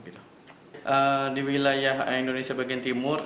di wilayah indonesia bagian timur